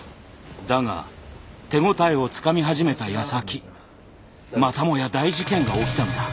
だが手応えをつかみ始めたやさきまたもや大事件が起きたのだ。